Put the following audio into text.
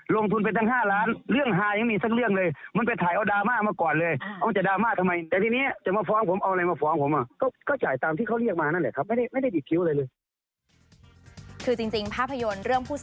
ลงทุนไปเรื่องฮายเป็นครั้ง๕ล้านมันไปถ่ายมาก่อน